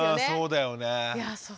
そうだよね。